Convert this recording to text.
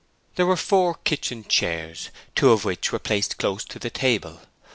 There were four kitchen chairs, two of which were placed close to the table.